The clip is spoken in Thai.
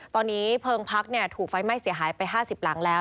ตอนนี้เพลิงพักเนี้ยถูกไฟไหม้เสียหายไปห้าสิบหลังแล้ว